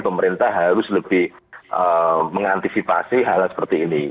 pemerintah harus lebih mengantisipasi hal hal seperti ini